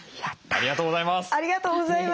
ありがとうございます。